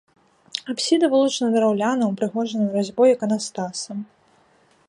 Апсіда вылучана драўляным, упрыгожаным разьбой іканастасам.